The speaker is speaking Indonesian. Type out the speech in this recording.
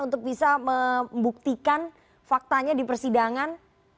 untuk bisa membuktikan faktanya di persidangan